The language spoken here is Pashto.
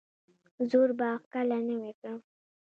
زوړ باغ کله نوی کړم؟